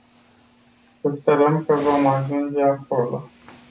Să sperăm că vom ajunge acolo.